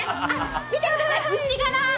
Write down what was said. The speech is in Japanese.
見てください、牛柄。